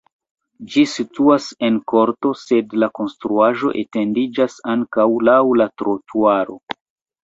Ĝi situas en korto, sed la konstruaĵo etendiĝas ankaŭ laŭ la trotuaro.